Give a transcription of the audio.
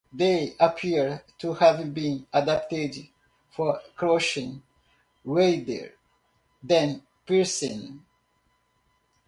They appear to have been adapted for crushing, rather than piercing.